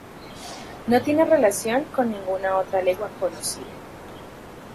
No tiene relación con ninguna otra lengua conocida.